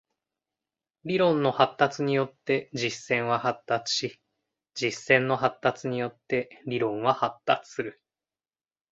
理論の発達によって実践は発達し、実践の発達によって理論は発達する。